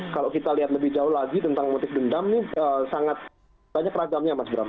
kalau kita lihat lebih jauh lagi tentang motif dendam ini sangat banyak ragamnya mas bram